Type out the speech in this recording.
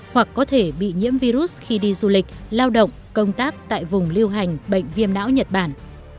hoặc có thể bị nhiễm virus khi đi du lịch lao động công tác tại vùng lưu hành bệnh viêm não nhật bản